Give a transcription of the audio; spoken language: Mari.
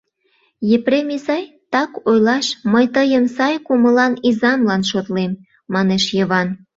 — Епрем изай, так ойлаш, мый тыйым сай кумылан изамлан шотлем, — манеш Йыван.